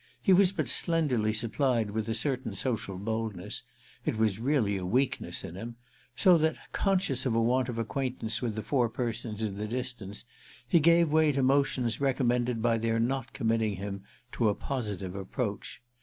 He was but slenderly supplied with a certain social boldness—it was really a weakness in him—so that, conscious of a want of acquaintance with the four persons in the distance, he gave way to motions recommended by their not committing him to a positive approach.